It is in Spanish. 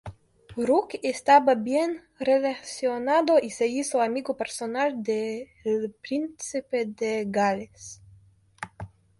Rooke estaba bien relacionado y se hizo amigo personal del príncipe de Gales.